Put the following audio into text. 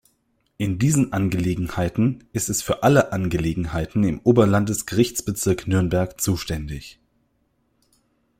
In diesen Angelegenheiten ist es für alle Angelegenheiten im Oberlandesgerichtsbezirk Nürnberg zuständig.